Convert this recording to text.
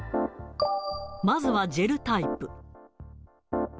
まずはジェルタイプ。